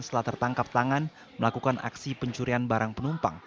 setelah tertangkap tangan melakukan aksi pencurian barang penumpang